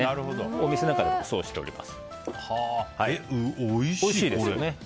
お店なんかでもそうしております。